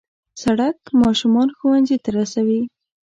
سړک ماشومان ښوونځي ته رسوي.